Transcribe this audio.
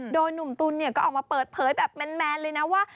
โดยหนุ่มตุ๋นก็ออกมาเปิดเผยแบบแมนเลยนะว่า